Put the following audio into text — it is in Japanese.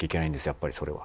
やっぱりそれは。